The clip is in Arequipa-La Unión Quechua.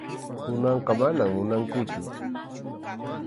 Kunanqa manam munankuchu.